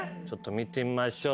見てみましょう。